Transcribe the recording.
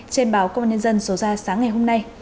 trên báo công an nhân dân số ra sáng ngày hôm nay